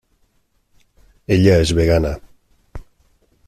Ella es vegana.